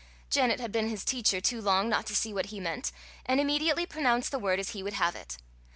Janet had been his teacher too long not to see what he meant, and immediately pronounced the word as he would have it.